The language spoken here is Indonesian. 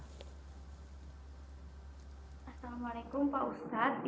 assalamu'alaikum pak ustadz